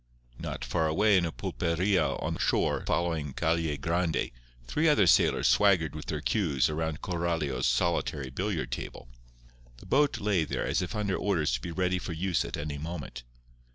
Not far away in a pulperia on the shore following Calle Grande three other sailors swaggered with their cues around Coralio's solitary billiard table. The boat lay there as if under orders to be ready for use at any moment.